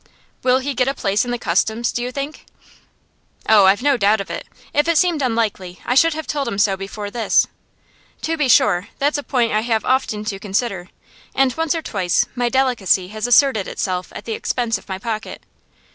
'Will he get a place in the Customs, do you think?' 'Oh, I've no doubt of it. If it seemed unlikely, I should have told him so before this. To be sure, that's a point I have often to consider, and once or twice my delicacy has asserted itself at the expense of my pocket.